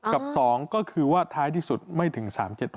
กับ๒ก็คือว่าท้ายที่สุดไม่ถึง๓๗๖